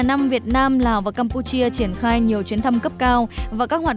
năm việt nam lào và campuchia triển khai nhiều chuyến thăm cấp cao